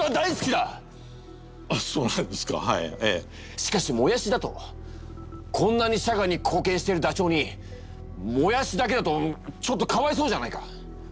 しかしもやしだとこんなに社会にこうけんしてるダチョウにもやしだけだとちょっとかわいそうじゃないか！